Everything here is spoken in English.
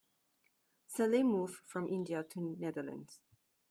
Salim moved from India to the Netherlands.